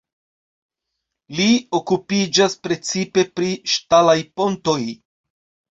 Li okupiĝas precipe pri ŝtalaj pontoj.